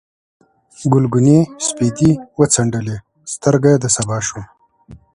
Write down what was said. ګلګونې سپېدې وڅنډلې، سترګه د سبا شوم